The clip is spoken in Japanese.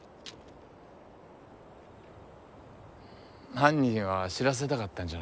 犯人は知らせたかったんじゃないか？